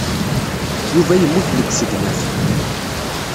Yuba yemmut deg usegnaf.